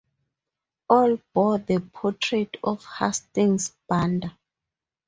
All bore the portrait of Hastings Banda.